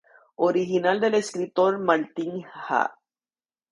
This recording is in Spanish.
Original del escritor Martín Hahn.